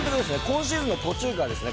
今シーズンの途中からですね